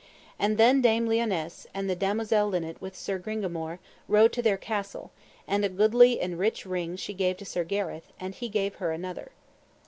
And then Dame Lionesse, and the damosel Linet with Sir Gringamore, rode to their castle; and a goodly and a rich ring she gave to Sir Gareth, and he gave her another.